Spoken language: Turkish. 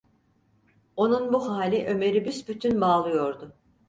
Onun bu hali Ömer’i büsbütün bağlıyordu.